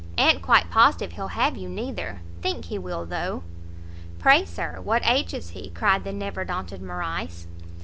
A'n't quite positive he'll have you, neither. Think he will, though." "Pray; Sir, what age is he?" cried the never daunted Morrice.